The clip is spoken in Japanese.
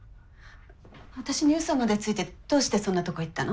私にウソまでついてどうしてそんなとこ行ったの？